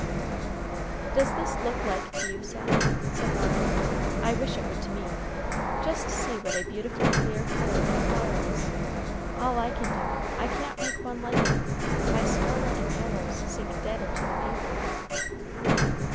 "Does this look like to you, Sally?" said Mara. "I wish it would to me. Just see what a beautiful clear color that flower is. All I can do, I can't make one like it. My scarlet and yellows sink dead into the paper."